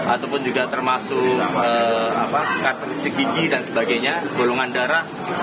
ataupun juga termasuk katrisi gigi dan sebagainya golongan darah